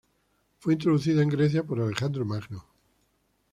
Fue introducida en Grecia por Alejandro Magno.